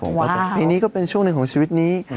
เพราะว่าเพลงนี้ก็เป็นช่วงหนึ่งของชีวิตนี้